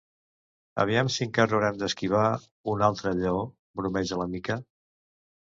Aviam si encara haurem d'esquivar un altre lleó —bromeja la Mica.